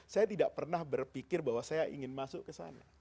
saya tidak pernah berpikir bahwa saya ingin masuk ke sana